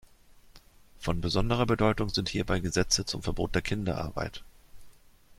Von besonderer Bedeutung sind hierbei Gesetze zum Verbot der Kinderarbeit.